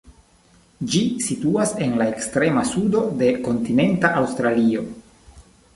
Ĝi situas en la ekstrema sudo de kontinenta Aŭstralio.